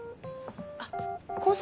あっコース